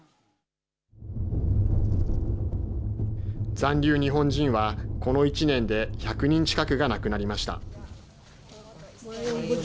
残留日本人はこの１年で１００人近くが亡くなりました。